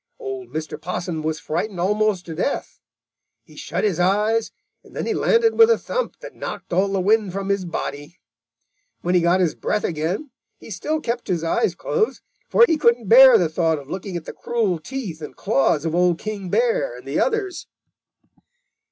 "Old Mr. Possum was frightened almost to death. He shut his eyes, and then he landed with a thump that knocked all the wind from his body. When he got his breath again, he still kept his eyes closed, for he couldn't bear the thought of looking at the cruel teeth and claws of Old King Bear and the others.